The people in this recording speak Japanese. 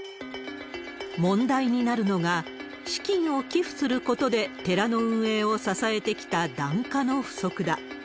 問題になるのが、資金を寄付することで、寺の運営を支えてきた檀家の不足だ。